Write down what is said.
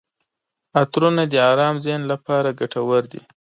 عطرونه د ارام ذهن لپاره ګټور دي.